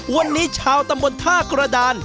วันนี้ชาวตำบลท่ากระดาน